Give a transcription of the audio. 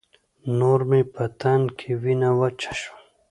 نور مې په تن کې وينه وچه شوه.